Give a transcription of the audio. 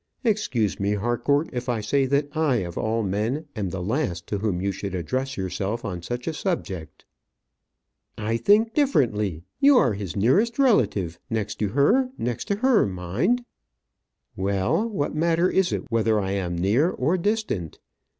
Excuse me, Harcourt, if I say that I, of all men, am the last to whom you should address yourself on such a subject." "I think differently. You are his nearest relative next to her; next to her, mind " "Well! What matter is it whether I am near or distant?